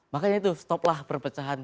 makanya itu stop lah perpecahan